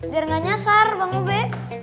biar nggak nyasar bang ube